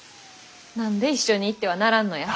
何で一緒に行ってはならんのや。